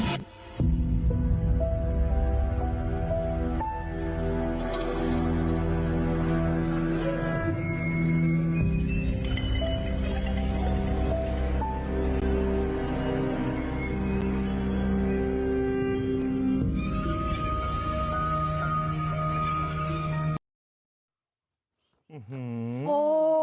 ดูสิว่าตำรวจจัดการให้หรือยังค่ะ